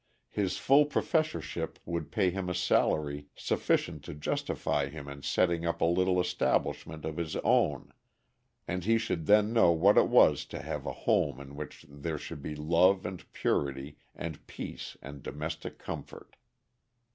His full professorship would pay him a salary sufficient to justify him in setting up a little establishment of his own, and he should then know what it was to have a home in which there should be love and purity and peace and domestic comfort.